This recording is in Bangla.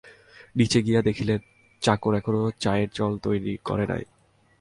নীচে গিয়া দেখিলেন, চাকর এখনো চায়ের জল তৈরি করে নাই।